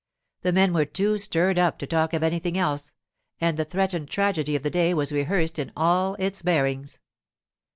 The men were too stirred up to talk of anything else, and the threatened tragedy of the day was rehearsed in all its bearings.